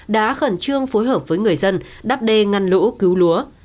đã khẩn trương phối hợp với người dân đắp đê ngăn lũ cứu lúa